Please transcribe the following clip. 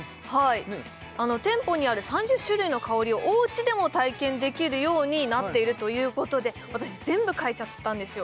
店舗にある３０種類の香りをおうちでも体験できるようになっているということで私全部嗅いじゃったんですよ